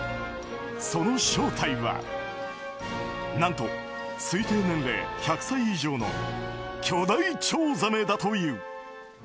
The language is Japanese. その正体は何と推定年齢１００歳以上の巨大チョウザメだという。